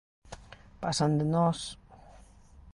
Pasan de nós...